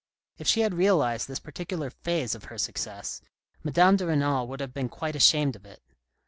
If she had realised this particular phase of her success, Madame de Renal would have been quite ashamed of it.